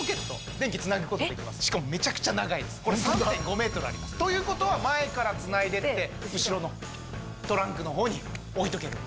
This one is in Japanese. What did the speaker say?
しかもめちゃくちゃ長いですこれ３．５ｍあります。ということは前からつないでって後ろのトランクの方に置いとけるんです。